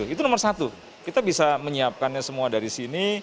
itu nomor satu kita bisa menyiapkannya semua dari sini